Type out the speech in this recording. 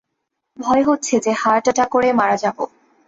ভয় হচ্ছে যে হার্ট অ্যাটাক করেই মারা যাবো!